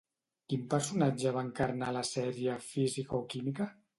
Quin personatge va encarnar a la sèrie Física o Química?